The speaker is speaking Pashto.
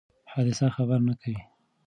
حادثه خبر نه کوي.